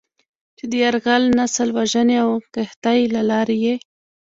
چې د "يرغل، نسل وژنې او قحطۍ" له لارې یې